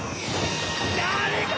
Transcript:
誰か！